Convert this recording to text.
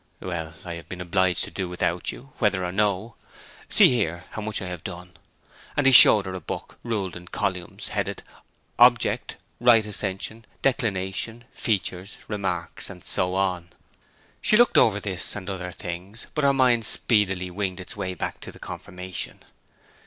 'Well, I have been obliged to do without you, whether or no. See here, how much I have done.' And he showed her a book ruled in columns, headed 'Object,' 'Right Ascension,' 'Declination,' 'Features,' 'Remarks,' and so on. She looked over this and other things, but her mind speedily winged its way back to the confirmation.